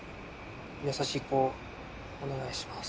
優しい子お願いします。